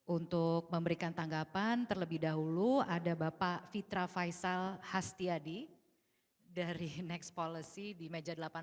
untuk memberikan tanggapan terlebih dahulu ada bapak fitra faisal hastiadi dari next policy di meja delapan belas